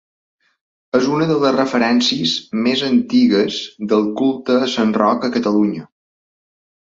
És una de les referències més antigues del culte a Sant Roc a Catalunya.